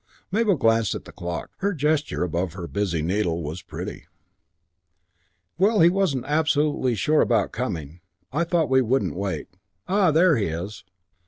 Mabel glanced at the clock. Her gesture above her busy needle was pretty. "Well, he wasn't absolutely sure about coming. I thought we wouldn't wait. Ah, there he is."